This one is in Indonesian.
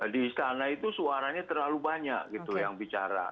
di istana itu suaranya terlalu banyak gitu yang bicara